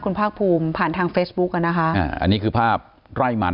คุณภาคภูมิผ่านทางเฟซบุ๊กอ่ะนะคะอ่าอันนี้คือภาพไร่มัน